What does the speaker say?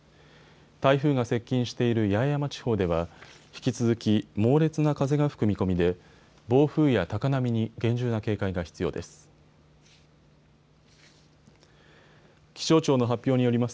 台風が接近している八重山地方では引き続き猛烈な風が吹く見込みで暴風や高波に厳重な警戒が必要です。